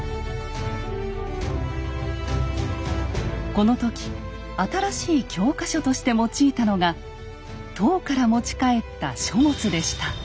この時新しい教科書として用いたのが唐から持ち帰った書物でした。